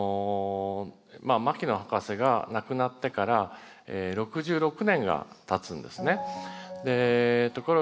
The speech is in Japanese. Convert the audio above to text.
牧野博士が亡くなってから６６年がたつんですね。